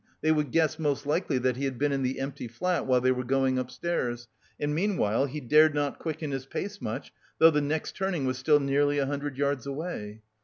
They would guess most likely that he had been in the empty flat, while they were going upstairs. And meanwhile he dared not quicken his pace much, though the next turning was still nearly a hundred yards away.